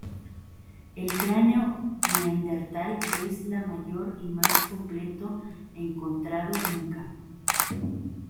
El cráneo neandertal es la mayor y más completo encontrado nunca.